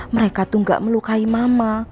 mereka tuh gak melukai mama